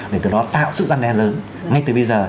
để từ đó tạo sự gian đen lớn ngay từ bây giờ